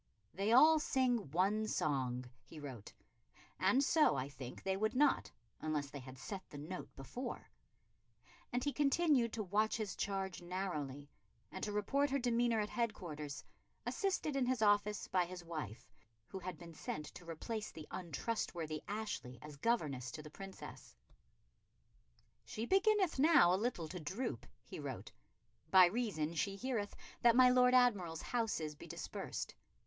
"They all sing one song," he wrote, "and so, I think, they would not, unless they had set the note before"; and he continued to watch his charge narrowly, and to report her demeanour at headquarters, assisted in his office by his wife, who had been sent to replace the untrustworthy Ashley as governess to the Princess. "She beginneth now a little to droop," he wrote, "by reason she heareth that my Lord Admiral's houses be dispersed.